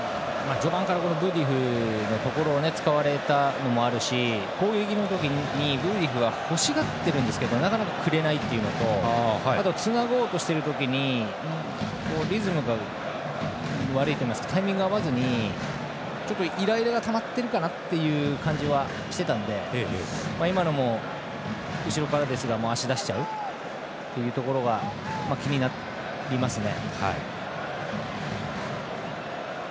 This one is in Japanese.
序盤からブーディフのところを使われたこともありますし攻撃の時に彼は欲しがっているんですけどなかなかくれないというのとつなごうとしている時にリズムが悪いといいますかタイミング合わずにイライラがたまっているかなという感じはしてたので今のも後ろからでしたけど足を出しちゃうところが気になりますね。